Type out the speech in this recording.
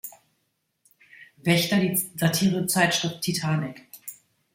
Waechter die Satirezeitschrift Titanic.